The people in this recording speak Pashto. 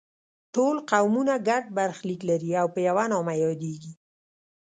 ټول قومونه ګډ برخلیک لري او په یوه نامه یادیږي.